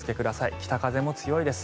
北風も強いです。